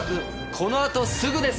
この後すぐです。